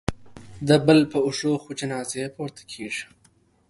د بل په اوږو خو جنازې پورته کېږي